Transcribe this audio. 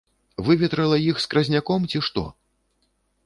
Выветрыла іх скразняком, ці што?!